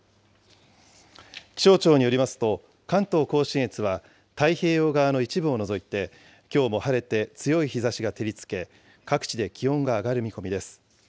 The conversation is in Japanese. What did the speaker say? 気象庁によりますと、関東甲信越は太平洋側の一部を除いて、きょうも晴れて、強い日ざしが照りつけ、各地で気温が上がる見込みです。